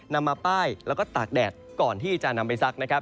นำมาป้ายแล้วก็ตากแดดก่อนที่จะนำไปซักนะครับ